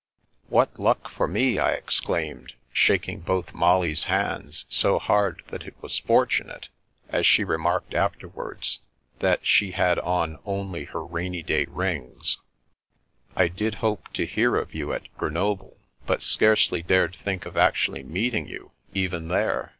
" What luck for me !" I exclaimed, shaking both Molly's hands so hard that it was fortunate (as she remarked afterwards) that she had on '^only her rainy day rings/' " I did hope to hear of you at Grenoble, but scarcely dared think of actually meet ing you, even there.